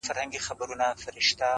• هم د سرو هم جواهرو پیمانه وه -